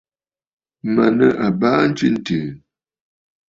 Mə̀ nɨ̂ àbaa ntswêntɨ̀ɨ̀.